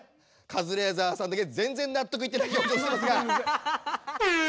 カズレーザーさんだけぜんぜんなっとくいってない表情してますが。